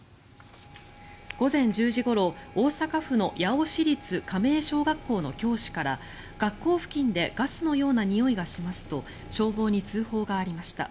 午前１０時ごろ、大阪府の八尾市立亀井小学校の教師から学校付近でガスのようなにおいがしますと消防に通報がありました。